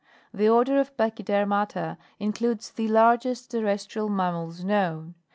The Order of P achy dermal a in cludes the largest terrestrial mammals known.